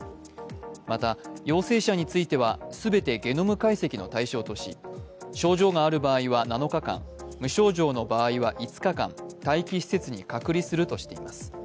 また、陽性者については全てゲノム解析の対象とし、症状がある場合は７日間、無症状の場合は５日、待機施設に隔離するとしています。